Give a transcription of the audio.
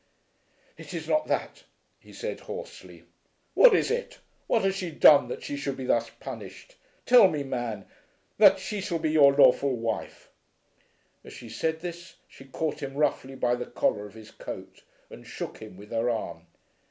"It is not that," he said hoarsely. "What is it? What has she done that she should be thus punished? Tell me, man, that she shall be your lawful wife." As she said this she caught him roughly by the collar of his coat and shook him with her arm.